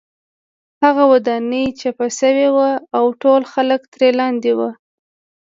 هغه ودانۍ چپه شوې وه او ټول خلک ترې لاندې وو